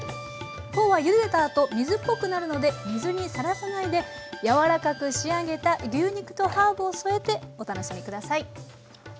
フォーはゆでたあと水っぽくなるので水にさらさないで柔らかく仕上げた牛肉とハーブを添えてお楽しみ下さい。